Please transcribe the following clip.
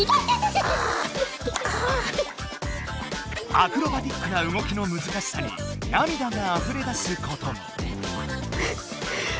アクロバティックなうごきのむずかしさになみだがあふれ出すことも。